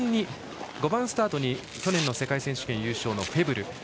５番スタートに去年の世界選手権優勝のフェブル。